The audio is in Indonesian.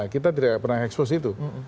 kita tidak pernah expose itu